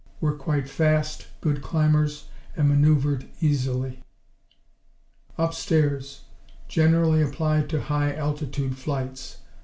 Were quite fast, good climbers, and manoeuvred easily. Upstairs Generally applied to high altitude flights.